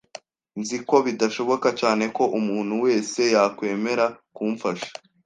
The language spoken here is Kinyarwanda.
Nzi ko bidashoboka cyane ko umuntu wese yakwemera kumfasha